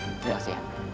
terima kasih ya